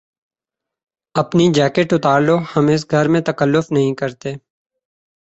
اپنی جیکٹ اتار لو۔ ہم اس گھر میں تکلف نہیں کرتے